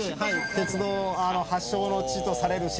鉄道発祥の地とされる新橋駅。